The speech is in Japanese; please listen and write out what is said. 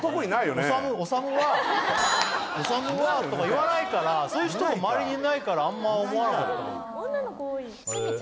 オサムはとか言わないからそういう人が周りにいないからあんま思わない。